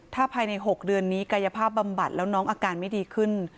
ถ้าภายใน๖เดือนนี้กายภาพบำบัดแล้วน้องอาการไม่ดีขึ้น